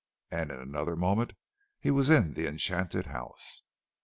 And in another moment he was in the enchanted house.